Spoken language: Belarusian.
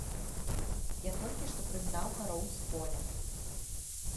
Я толькі што прыгнаў кароў з поля.